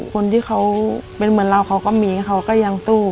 คนที่เขาเป็นเหมือนเค้าก็มีนี่เค้าก็ยังตู้